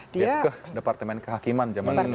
dia ke departemen kehakiman